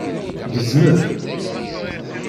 Gezmet!